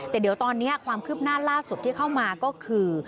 แต่เดี๋ยวตอนนี้ความคืบหน้าล่าสุดที่เข้ามาก็คือ